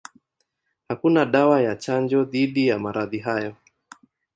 Hakuna dawa ya chanjo dhidi ya maradhi hayo.